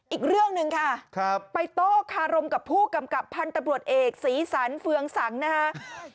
อีกเรื่องหนึ่งค่ะไปโต้คารมกับผู้กำกับพันธุ์ตำรวจเอกศรีสันเฟืองสังนะครับ